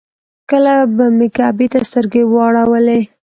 کله به مې کعبې ته سترګې واړولې.